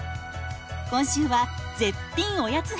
今週は絶品おやつ編。